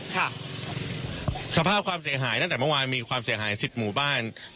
สภาพความเสียหายตั้งแต่เมื่อวานมีความเสียหายสิบหมู่บ้าน